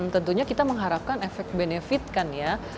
tentunya kita mengharapkan efek benefit kan ya